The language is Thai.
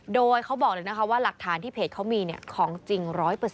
โดยเขาบอกเลยนะคะว่าหลักฐานที่เพจเขามีของจริง๑๐๐